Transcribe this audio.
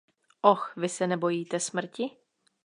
Oh, vy se nebojíte smrti?